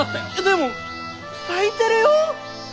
でも咲いてるよ！